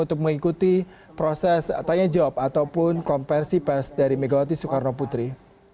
untuk mengikuti proses tanya jawab ataupun kompersi pas dari megawati soekarnop putri